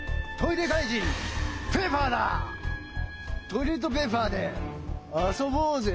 オレさまはトイレットペーパーであそぼうぜ！